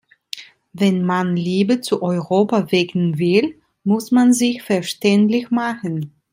Wenn man Liebe zu Europa wecken will, muss man sich verständlich machen.